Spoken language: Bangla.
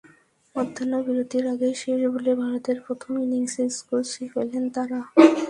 মধ্যাহ্ন বিরতির আগেই শেষ বলে ভারতের প্রথম ইনিংসের স্কোর ছুঁয়ে ফেলেন তাঁরা।